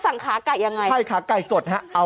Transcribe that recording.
โอ้โหโอ้โห